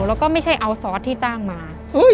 แล้วก็ไม่ใช่เอาซอสที่จ้างมา